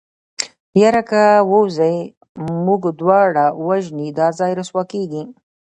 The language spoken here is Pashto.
يره که ووځې موږ دواړه وژني دا ځای رسوا کېږي.